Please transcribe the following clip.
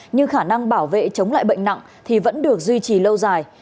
nhưng khả năng bảo vệ chống lại bệnh nặng thì vẫn được duy trì lâu dài